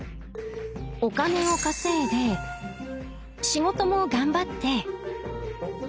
お金を稼いで仕事も頑張って。